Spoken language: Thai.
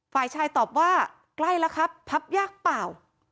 ฝ่ายชายตอบว่าใกล้แล้วครับพับยากเปล่า